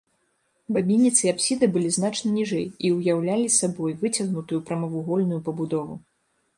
Бабінец і апсіда былі значна ніжэй і ўяўлялі сабой выцягнутую прамавугольную пабудову.